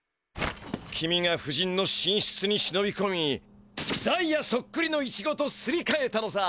君が夫人のしんしつにしのびこみダイヤそっくりのイチゴとすりかえたのさ！